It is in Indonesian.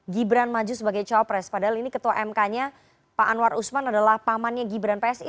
gibran maju sebagai cawapres padahal ini ketua mk nya pak anwar usman adalah pamannya gibran psi